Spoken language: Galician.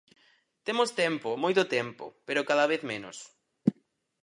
Temos tempo, moito tempo, pero cada vez menos.